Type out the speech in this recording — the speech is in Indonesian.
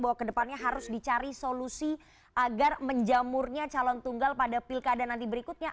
bahwa kedepannya harus dicari solusi agar menjamurnya calon tunggal pada pilkada nanti berikutnya